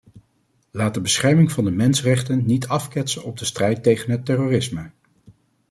Laat de bescherming van de mensenrechten niet afketsen op de strijd tegen het terrorisme!